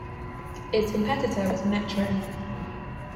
Its competitor was "Metro".